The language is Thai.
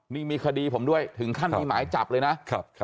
นี่มีคดีผมด้วยถึงขั้นมีหมายจับเลยนะ